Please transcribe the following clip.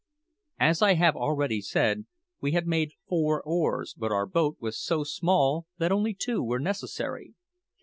As I have already said, we had made four oars; but our boat was so small that only two were necessary.